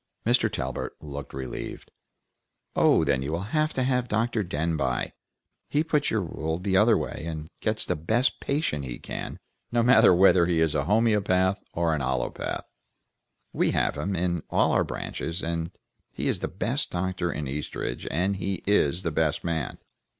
Mr. Talbert looked relieved. "Oh, then you will have Dr. Denbigh. He puts your rule the other way, and gets the best patient he can, no matter whether he is a homoeopath or an allopath. We have him, in all our branches; he is the best doctor in Eastridge, and he is the best man.